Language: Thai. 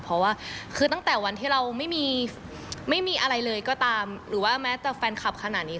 เพราะว่าคือตั้งแต่วันที่เราไม่มีไม่มีอะไรเลยก็ตามหรือว่าแม้แต่แฟนคลับขนาดนี้